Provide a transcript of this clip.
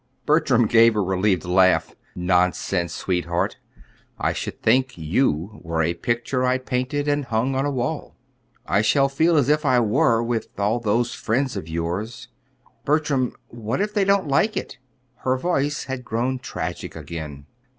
Bertram gave a relieved laugh. "Nonsense, sweetheart! I should think you were a picture I'd painted and hung on a wall." "I shall feel as if I were with all those friends of yours. Bertram, what if they don't like it?" Her voice had grown tragic again.